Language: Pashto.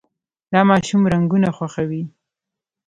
دا ماشوم رنګونه خوښوي.